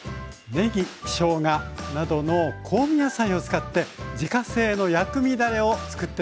ねぎしょうがなどの香味野菜を使って自家製の薬味だれをつくってみませんか？